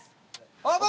オープン！